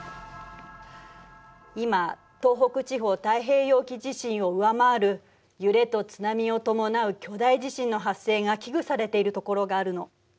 今東北地方太平洋沖地震を上回る揺れと津波を伴う巨大地震の発生が危惧されている所があるの。